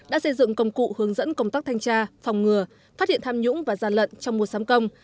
đã xây dựng công cụ hướng dẫn công tác thanh tra phòng ngừa phát hiện tham nhũng và gian lận trong mùa sắm công